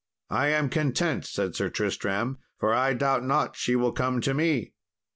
"I am content," said Sir Tristram, "for I doubt not she will come to me."